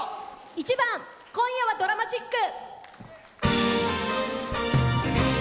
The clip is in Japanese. １番「今夜はドラマチック」。